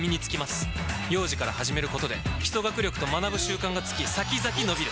幼児から始めることで基礎学力と学ぶ習慣がつき先々のびる！